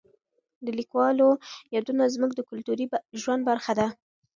د لیکوالو یادونه زموږ د کلتوري ژوند برخه ده.